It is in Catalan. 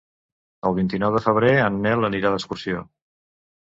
El vint-i-nou de febrer en Nel anirà d'excursió.